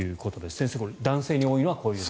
先生男性に多いのはこれと。